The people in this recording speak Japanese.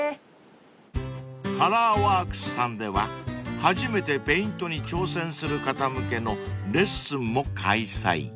［ＣＯＬＯＲＷＯＲＫＳさんでは初めてペイントに挑戦する方向けのレッスンも開催］